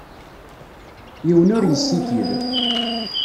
Yiwen ur yessikid.